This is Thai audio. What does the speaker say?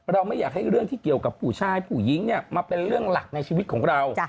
ไม่อยากให้เรื่องที่เกี่ยวกับผู้ชายผู้หญิงมาเป็นเรื่องหลักในชีวิตของเรา